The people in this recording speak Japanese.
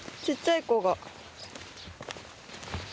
ちっちゃい子が。